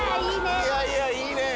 いやいやいいね！